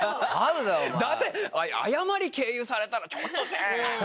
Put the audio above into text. だって謝り経由されたらちょっとねぇ。